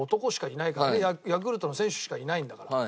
ヤクルトの選手しかいないんだから。